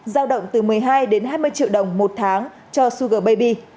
giao động từ một mươi hai đến hai mươi triệu đồng một tháng cho suger baby